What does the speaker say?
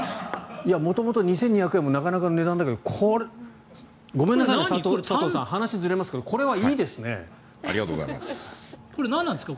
元々２２００円もなかなかの値段だけどこれ、ごめんなさいね佐藤さん話がずれますがありがとうございます。